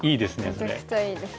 めちゃくちゃいいですよね。